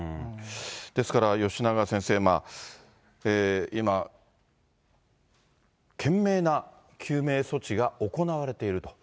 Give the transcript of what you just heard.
ですから吉永先生、今、懸命な救命措置が行われていると、